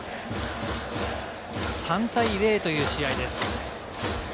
３対０という試合です。